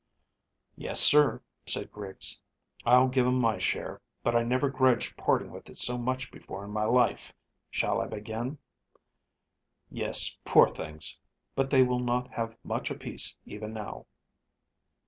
"Yes, sir," said Griggs. "I'll give 'em my share; but I never grudged parting with it so much before in my life. Shall I begin?" "Yes, poor things; but they will not have much apiece even now."